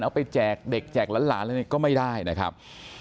ไปแจกเด็กแจกหลานอะไรก็ไม่ได้นะครับ